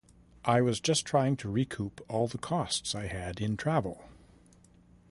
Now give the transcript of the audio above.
I was just trying to recoup all the costs I had in travel.